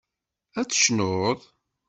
Ad tecnuḍ?